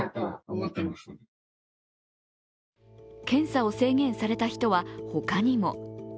検査を制限された人はほかにも。